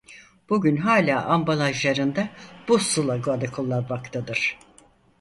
Bugün hala ambalajlarında bu sloganı kullanmaktadır.